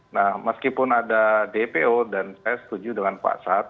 nah meskipun ada dpo dan saya setuju dengan pak sad